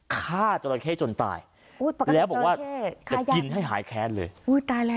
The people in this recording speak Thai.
ฆ่าจราเข้จนตายแล้วบอกว่ากินให้หายแขนเลย